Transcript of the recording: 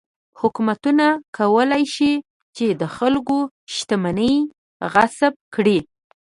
حکومت کولای شي چې د خلکو شتمنۍ غصب کړي.